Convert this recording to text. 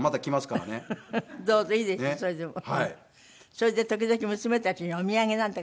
それで時々娘たちにお土産なんて買うのよ。